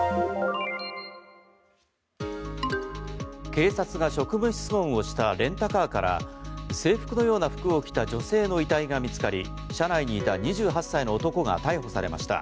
警察が職務質問をしたレンタカーから制服のような服を着た女性の遺体が見つかり車内にいた２８歳の男が逮捕されました。